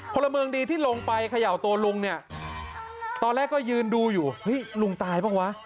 พลเมืองดีที่ลงไปเขย่าตัวลุงเนี่ยตอนแรกก็ยืนดูอยู่เฮ้ยลุงตายบ้างวะ